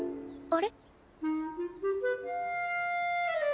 あれ？